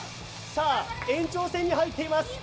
延長戦に入っています。